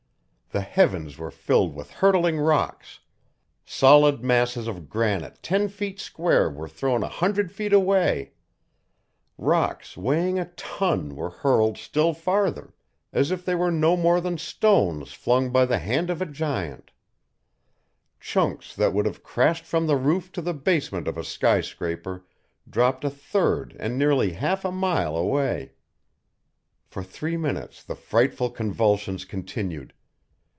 The heavens were filled with hurtling rocks; solid masses of granite ten feet square were thrown a hundred feet away; rocks weighing a ton were hurled still farther, as if they were no more than stones flung by the hand of a giant; chunks that would have crashed from the roof to the basement of a sky scraper dropped a third and nearly a half a mile away. For three minutes the frightful convulsions continued.